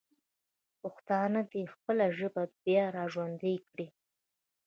پښتانه دې خپله ژبه بیا راژوندی کړي.